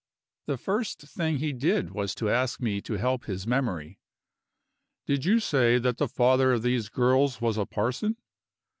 The first thing he did was to ask me to help his memory. "Did you say that the father of these girls was a parson?"